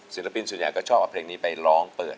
ศิลปินส่วนใหญ่ก็ชอบเอาเพลงนี้ไปร้องเปิด